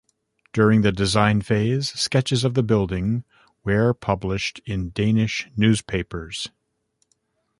During the design phase sketches of the building where published in Danish newspapers.